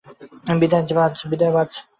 বিদায়, বায।